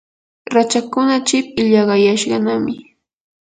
rachakkuna chip illaqayashqanami.